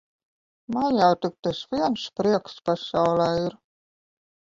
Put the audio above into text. Man jau tik tas viens prieks pasaulē ir.